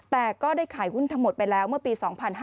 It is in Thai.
แต่ก็ได้ขายหุ้นทั้งหมดไปแล้วเมื่อปี๒๕๕๙